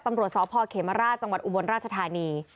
ตำรวจสพเขมราชจังหวัดอุบลราชธานี